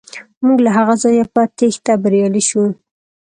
موږ له هغه ځایه په تیښته بریالي شو.